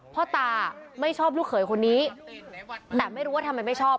พ่อตาไม่ชอบลูกเขยคนนี้แต่ไม่รู้ว่าทำไมไม่ชอบ